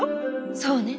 そうね